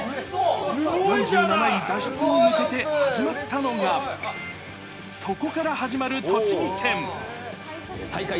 ４７位脱出に向けて始まったのが、そこから始まる栃木県。